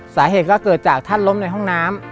สาเหตุก็เกิดจากท่านล้มในห้องน้ำ